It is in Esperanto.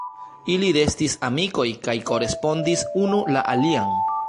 Ili restis amikoj kaj korespondis unu la alian.